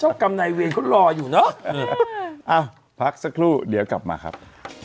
เจ้ากรรมในเวรคู่รออยู่เนาะอ่ะพักซักครู่เดี๋ยวกลับมาครับ